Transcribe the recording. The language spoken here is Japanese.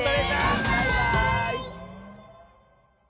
バイバーイ！